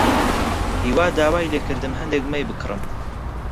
هیوا داوای لێ کردم هەندێک مەی بکڕم.